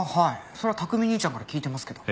それは琢己兄ちゃんから聞いてますけど。